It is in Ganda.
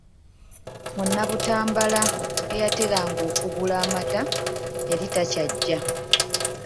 Munabutambala eyateranga okugula amata yali takyajja.